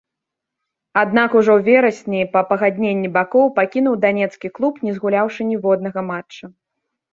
Аднак ужо верасні па пагадненні бакоў пакінуў данецкі клуб, не згуляўшы ніводнага матча.